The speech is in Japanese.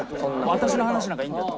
私の話なんかいいんだよ」と。